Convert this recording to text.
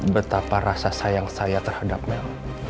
betapa rasa sayang saya terhadap mel